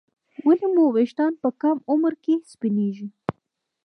ولې مو ویښتان په کم عمر کې سپینېږي